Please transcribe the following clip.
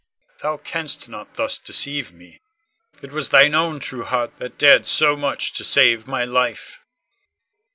Con. Thou canst not thus deceive me. It was thine own true heart that dared so much to save my life.